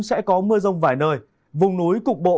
sẽ có mưa rông vài nơi vùng núi cục bộ